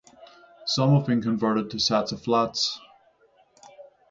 Some have been converted to sets of flats.